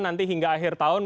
nanti hingga akhir tahun